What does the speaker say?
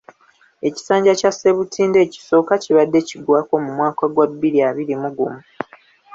Ekisanja kya Ssebutinde ekisooka kibadde kiggwako mu mwaka gwa bbiri abiri mu gumu.